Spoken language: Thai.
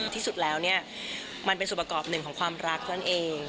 ที่สุดแล้วเนี่ยมันเป็นส่วนประกอบหนึ่งของความรักนั่นเอง